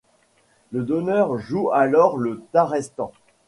Le donneur joue alors le tas restant.